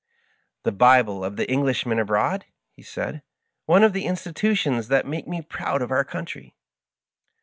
"The Bible of the Englishman abroad," he said. "One of the institutions that make me proud of our country."